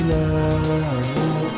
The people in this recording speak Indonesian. ini tempat gue